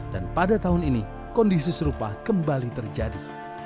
dan pada tahun ini kondisi serupa kembali terjadi